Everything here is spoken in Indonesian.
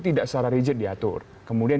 tidak secara rigid diatur kemudian